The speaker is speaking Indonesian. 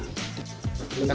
oleh karena itu saya menyatakan